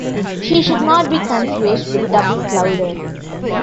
He should not be confused with Doubleclouder.